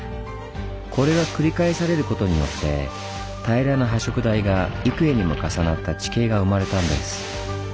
これが繰り返されることによって平らな波食台が幾重にも重なった地形が生まれたんです。